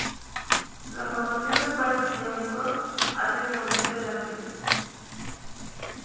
La formación de pares iónicos hace que aumente la acidez.